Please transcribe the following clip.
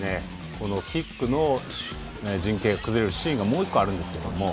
キックの陣形が崩れるシーンがもう１個あるんですけれども。